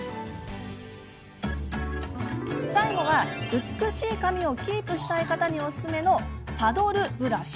最後は美しい髪をキープしたい方におすすめのパドルブラシ。